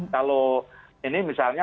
kalau ini misalnya